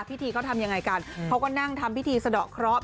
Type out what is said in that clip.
พิธีเขาทำยังไงกันเขาก็นั่งทำพิธีสะดอกเคราะห